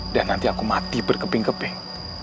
dan nanti aku mati berkeping keping